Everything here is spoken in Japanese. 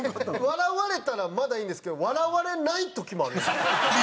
笑われたらまだいいんですけど笑われない時もあります。